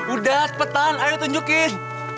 udah cepetan ayo tunjukin